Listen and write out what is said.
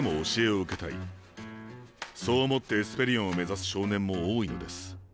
そう思ってエスペリオンを目指す少年も多いのです。